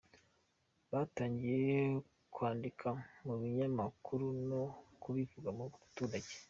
Batangiye kwandika mu binyamakuru no kubivuga mu baturage.